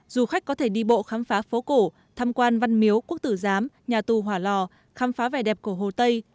du khách có thể đi bộ khám phá phố cổ tham quan văn miếu quốc tử giám nhà tù hỏa lò khám phá vẻ đẹp của hồ tây